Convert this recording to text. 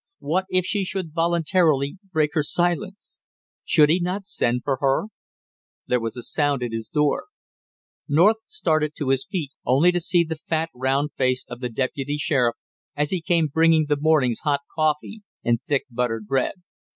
What if she should voluntarily break her silence! Should he not send for her there was a sound at his door. North started to his feet only to see the fat round face of the deputy sheriff as he came bringing the morning's hot coffee and thick buttered bread.